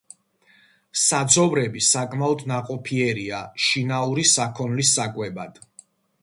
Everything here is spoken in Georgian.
საძოვრები საკმაოდ ნაყოფიერია შინაური საქონლის საკვებად.